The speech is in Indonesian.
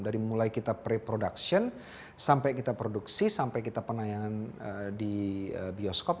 dari mulai kita pre production sampai kita produksi sampai kita penayangan di bioskop